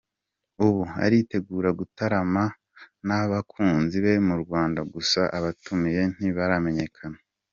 Ubu, aritegura gutaramana n’abakunzi be mu Rwanda gusa abamutumiye ntibaramenyekana.